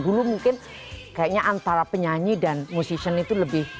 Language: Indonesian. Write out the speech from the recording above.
dulu mungkin kayaknya antara penyanyi dan musisi itu lebih